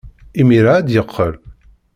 Imir-a ad d-yeqqel.